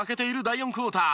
第４クオーター